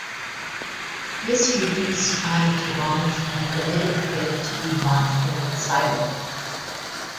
This reduced time to launch and permitted it to be launched from its silo.